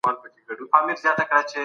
روژه د شهوتونو کنترولوونکې ده